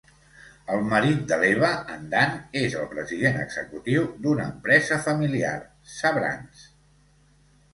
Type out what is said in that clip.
El marit de l'Eva, en Dan, és el president executiu d'una empresa familiar, Sabrands.